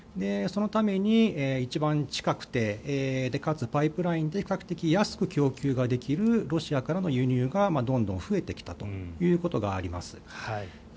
そのために一番近くてかつパイプラインで比較的安く供給できるロシアからの輸入がどんどん増えてきたということがあります。